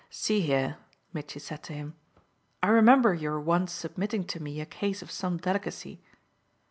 "See here," Mitchy said to him: "I remember your once submitting to me a case of some delicacy."